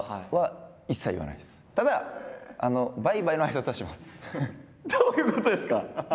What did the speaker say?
ただどういうことですか？